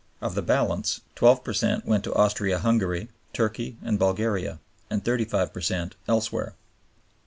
Of the balance, 12 per cent went to Austria Hungary, Turkey, and Bulgaria, and 35 per cent elsewhere.